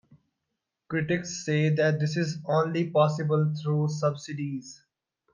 Critics say that this is only possible through subsidies.